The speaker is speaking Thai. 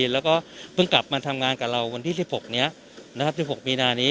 แล้วก็เพิ่งกลับมาทำงานกับเราวันที่สิบหกเนี้ยนะครับสิบหกมีนานี้